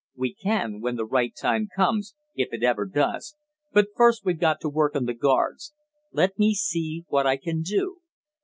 "We can, when the right time comes if it ever does but first we've got to work on the guards. Let me see what I can do?